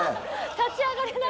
立ち上がれない。